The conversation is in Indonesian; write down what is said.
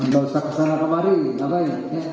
tak usah kesana kemari